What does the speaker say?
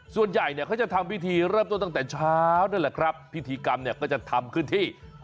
ส่วนใหญ่เนี่ยเขาจะทำพิธีเริ่มต้นตั้งแต่เช้านั่นแหละครับพิธีกรรมเนี่ยก็จะทำขึ้นที่